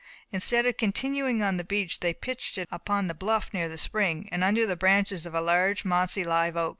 Instead of continuing on the beach, they pitched it upon the bluff near the spring, and under the branches of a large mossy live oak.